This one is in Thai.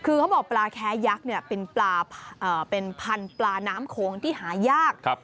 คือเขาบอกปลาแค้ยักษ์เป็นพันธุ์ปลาน้ำโขงที่หายาก